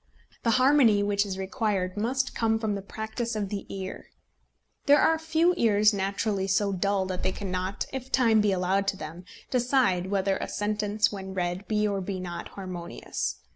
The harmony which is required must come from the practice of the ear. There are few ears naturally so dull that they cannot, if time be allowed to them, decide whether a sentence, when read, be or be not harmonious.